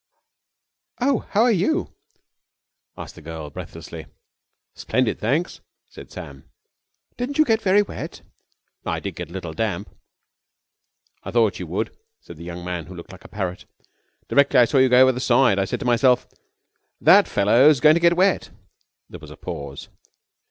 "Oh, how are you?" asked the girl breathlessly. "Splendid, thanks," said Sam. "Didn't you get very wet?" "I did get a little damp." "I thought you would," said the young man who looked like a parrot. "Directly I saw you go over the side I said to myself: 'That fellow's going to get wet!'" There was a pause.